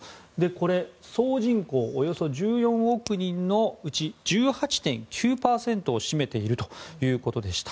これ、総人口およそ１４億人のうち１８．９％を占めているということでした。